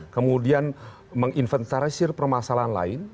kemudian menginventarisir permasalahan lain